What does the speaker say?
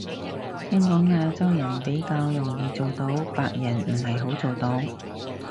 聽講亞洲人比較容易做到，白人唔係好做到